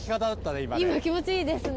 今今気持ちいいですね